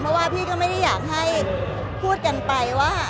เพราะว่าพี่ก็ไม่ได้อยากให้พูดกันไปว่า